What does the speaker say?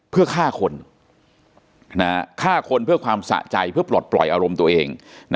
เพื่อฆ่าคนฆ่าคนเพื่อความสะใจเพื่อปลดปล่อยอารมณ์ตัวเอง